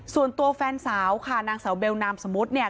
ส่วนตัวแฟนสาวค่ะนางสาวเบลนามสมมุติเนี่ย